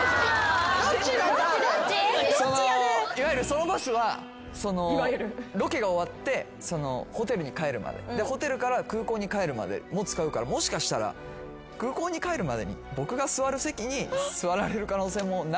いわゆるそのバスはロケが終わってホテルに帰るまででホテルから空港に帰るまでも使うからもしかしたら空港に帰るまでに。